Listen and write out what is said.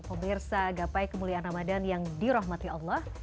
pemirsa agapai kemuliaan ramadhan yang dirahmati allah